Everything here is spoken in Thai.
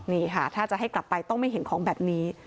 นี่ค่ะถ้าจะให้กลับไปต้องไม่เห็นของแบบนี้